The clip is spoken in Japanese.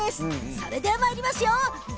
それではまいりますよ。